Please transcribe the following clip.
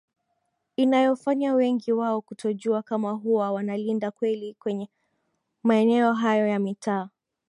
inayofanya wengi wao kutojua kama huwa wanalinda kweli kwenye maeneo hayo ya mitaa